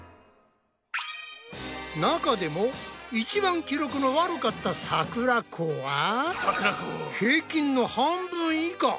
中でも一番記録の悪かったさくらこは平均の半分以下。